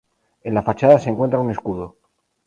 En la fachada se encuentra un escudo.